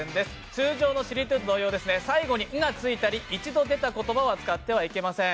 通常のしりとり同様、最後に「ん」がついたり１度出た言葉は使ってはいけません。